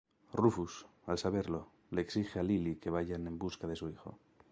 Rufus, al saberlo, le exige a Lily que vayan en busca de su hijo.